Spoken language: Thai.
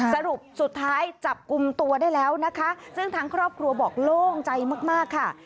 สรุปสุดท้ายจับกลุ่มตัวได้แล้วนะคะซึ่งทางครอบครัวบอกโล่งใจมากมากค่ะ